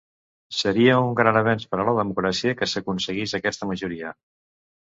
Seria un gran avenç per a la democràcia que s’aconseguís aquesta majoria.